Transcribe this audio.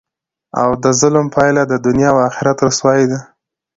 او دظلم پایله د دنیا او اخرت رسوايي ده،